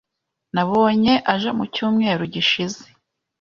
Nabonye aje mu cyumweru gishize.